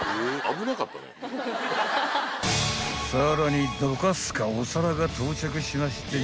［さらにどかすかお皿が到着しまして］